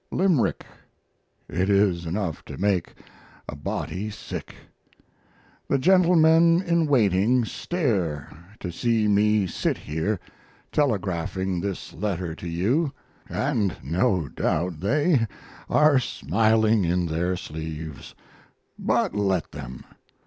Limerick! It is enough to make a body sick. The gentlemen in waiting stare to see me sit here telegraphing this letter to you, and no doubt they are smiling in their sleeves. But let them!